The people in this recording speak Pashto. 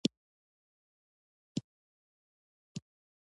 ایا ویښتان مو سپین شوي دي؟